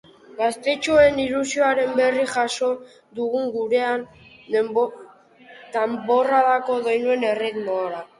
Gaztetxoen ilusioaren berri jaso dugu gurean, danborradako doinuen erritmora.